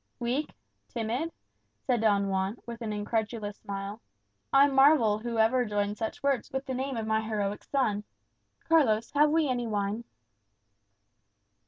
"Weak timid?" said Don Juan, with an incredulous smile. "I marvel who ever joined such words with the name of my heroic son. Carlos, have we any wine?"